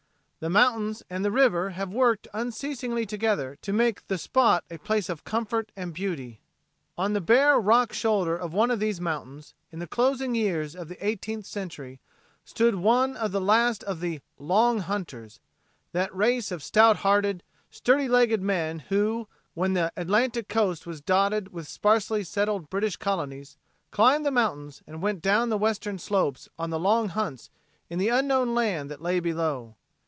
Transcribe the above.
The mountains and the river have worked unceasingly together to make the spot a place of comfort and beauty. On the bare rock shoulder of one of these mountains, in the closing years of the eighteenth century, stood one of the last of the "Long Hunters," that race of stout hearted, sturdy legged men who when the Atlantic Coast was dotted with sparsely settled British colonies climbed the mountains and went down the western slopes on the long hunts in the unknown land that lay below.